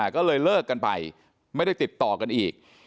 ก็เลยเลิกกันไปไม่ได้ติดต่อกันอีก